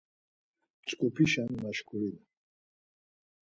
Mtzupişe maşǩurinen.